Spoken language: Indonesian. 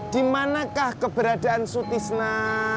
dimanakah keberadaan sutisna